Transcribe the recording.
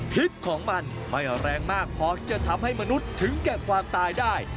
พิษของมันไม่แรงมากพอที่จะทำให้มนุษย์ถึงแก่ความตายได้